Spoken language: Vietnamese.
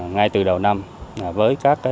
ngay từ đầu năm với các